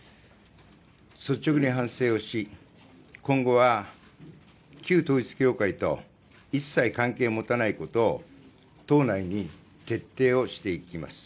率直に反省をし今後は、旧統一教会と一切関係を持たないことを党内に徹底をしていきます。